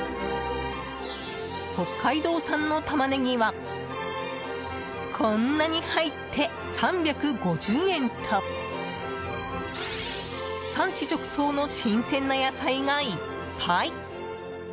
北海道産のタマネギはこんなに入って３５０円と産地直送の新鮮な野菜がいっぱい。